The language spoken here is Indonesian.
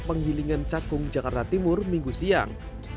penggilingan cakung jakarta timur minggu siang